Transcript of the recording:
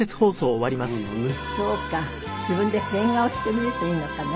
自分で変顔してみるといいのかね。